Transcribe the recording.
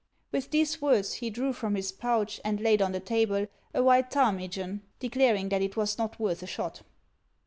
With these words he drew from his pouch and laid on the table a white ptarmigan, declaring that it was not worth a shot.